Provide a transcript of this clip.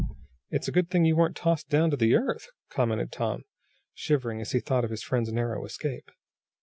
"It's a good thing you weren't tossed down to the earth," commented Tom, shivering as he thought of his friend's narrow escape.